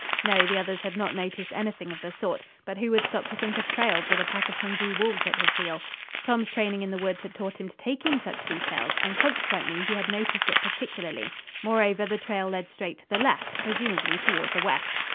No, the others had not noticed anything of the sort. But who would stop to think of trails with a pack of hungry wolves at his heels? Tom's training in the woods had taught him to take in such details, and consequently he had noticed it particularly. Moreover, the trail led straight to the left, presumably toward the west.